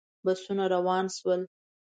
بسونه روان شول.